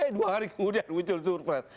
dua hari kemudian muncul surprise